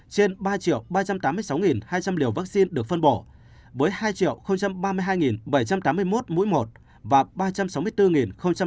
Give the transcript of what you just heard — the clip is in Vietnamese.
trên ba ba trăm tám mươi sáu hai trăm linh liều vaccine được phân bổ với hai ba mươi hai bảy trăm tám mươi một mũi một và ba trăm sáu mươi bốn năm mươi một mũi hai